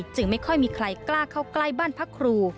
ไม่ค่อยมีใครกล้าเข้าใกล้บ้านพักครู